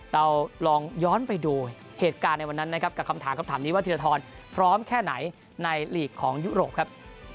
เราลองย้อนไปดูเหตุการณ์ในวันนั้นนะครับกับคำถามคำถามนี้ว่าธีรทรพร้อมแค่ไหนในหลีกของยุโรปครับ